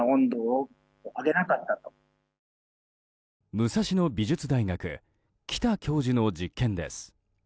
武蔵野美術大学北教授の実験です。